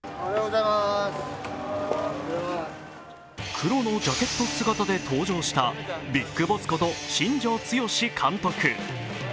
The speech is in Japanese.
黒のジャケット姿で登場したビッグボスこと新庄剛志監督。